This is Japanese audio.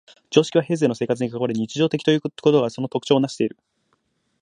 常識は平生の生活に関わり、日常的ということがその特徴をなしている。